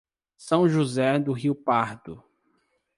São José do Rio Pardo